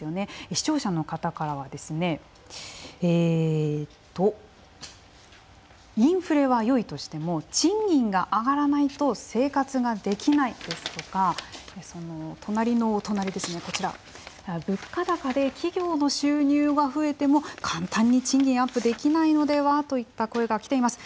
視聴者の方からはインフレはよいとしても賃金が上がらないと生活ができない、ですとか隣のお隣のこちら物価高で企業の収入は増えても簡単に賃金アップはできないのでは？という声がきています。